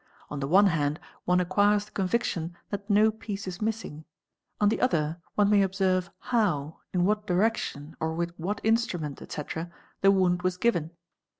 On the one hand one acquires the conviction that no piece is missing ; on the other one may observe how, in what direction, or with what instrument, etc., the wound was given.